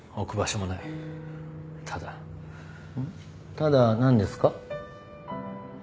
ただ何ですか？